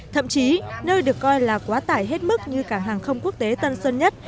thậm chí nơi được coi là quá tải hết mức như cả hàng không quốc tế tân xuân nhất